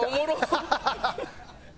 ハハハハ！